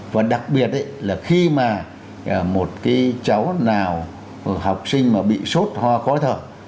và đặc biệt là khi mà một cái cháu nào học sinh mà bị sốt ho khó thở